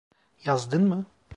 Yazdın mı?